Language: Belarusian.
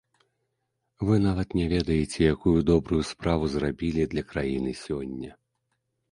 Вы нават не ведаеце, якую добрую справу зрабілі для краіны сёння.